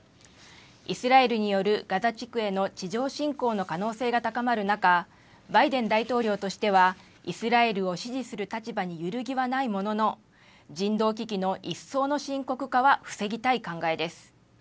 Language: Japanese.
イスラエルによるガザ地区への地上侵攻の可能性が高まる中、バイデン大統領としては、イスラエルを支持する立場に揺るぎはないものの、人道危機の一層の深刻化は防ぎたい考えです。